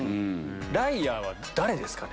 ライアーは誰ですかね？